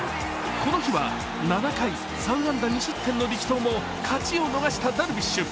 この日は７回、３安打２失点の力投も勝ちを逃したダルビッシュ。